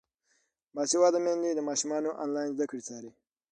باسواده میندې د ماشومانو انلاین زده کړې څاري.